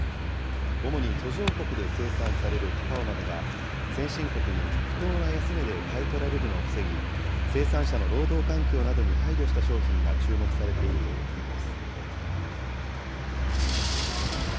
主に途上国で生産されるカカオ豆が先進国に不当な安値で買い取られるのを防ぎ、生産者の労働環境などに配慮した商品が注目されているということです。